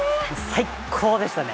最高でしたね。